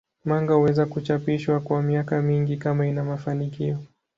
Manga huweza kuchapishwa kwa miaka mingi kama ina mafanikio.